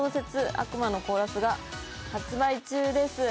「悪魔のコーラス」が発売中です。